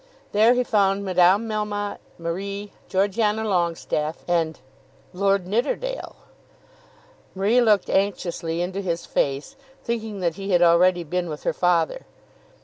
There he found Madame Melmotte, Marie, Georgiana Longestaffe, and Lord Nidderdale. Marie looked anxiously into his face, thinking that he had already been with her father.